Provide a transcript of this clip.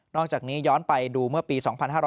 อกจากนี้ย้อนไปดูเมื่อปี๒๕๕๙